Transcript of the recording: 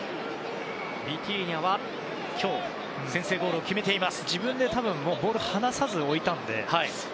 ビティーニャは今日先制ゴールを決めています。